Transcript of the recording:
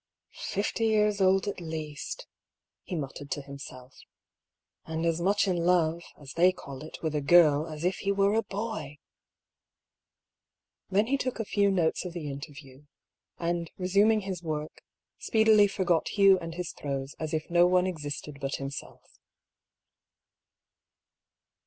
" Fifty years old at least," he muttered to himself, ^' and as much in love, as they call it, with a girl as if he were a boy !" Then he took a few notes of the interview, and re suming his work speedily forgot Hugh and his throes as if no one existed but himself.